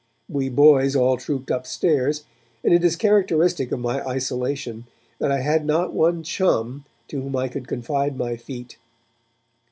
We boys all trooped upstairs and it is characteristic of my isolation that I had not one 'chum' to whom I could confide my feat.